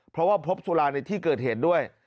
เพราะว่าพบสุราในที่เกิดเหตุด้วย